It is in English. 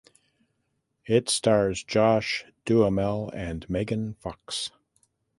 It stars Josh Duhamel and Megan Fox.